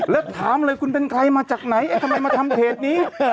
แล้วถามเลยคุณเป็นใครมาจากไหนทำไมมาทำเพจนี้